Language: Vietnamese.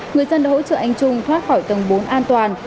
người dân đã hỗ trợ anh trung thoát khỏi tầng bốn an toàn